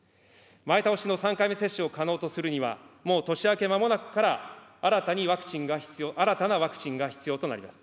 前倒しの３回目接種を可能とするには、もう年明けまもなくから、新たなワクチンが必要となります。